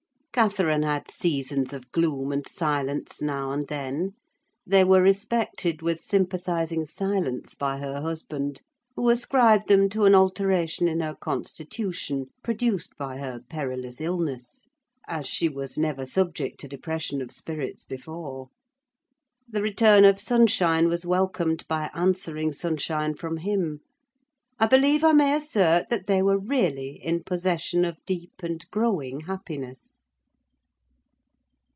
Catherine had seasons of gloom and silence now and then: they were respected with sympathising silence by her husband, who ascribed them to an alteration in her constitution, produced by her perilous illness; as she was never subject to depression of spirits before. The return of sunshine was welcomed by answering sunshine from him. I believe I may assert that they were really in possession of deep and growing happiness.